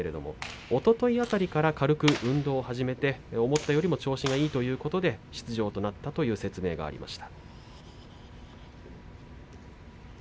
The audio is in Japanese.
おととい辺りから軽く運動を始めて思ったより調子がいいということで、出場となったという説明がありました。